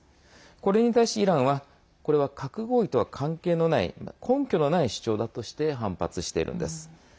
これに対しイランはこれは核合意とは関係のない根拠のない主張だとして反発しているんです。